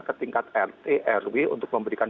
ketingkat rt rw untuk memberikan